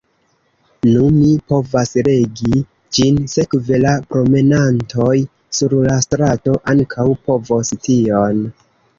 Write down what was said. Nu, mi povas legi ĝin, sekve: la promenantoj sur la strato ankaŭ povos tion.